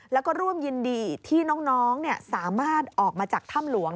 แล้วก็ร่วมยินดีที่น้องสามารถออกมาจากถ้ำหลวง